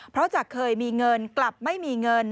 เพราะจากเคยมีเงินกลับไม่มีเงิน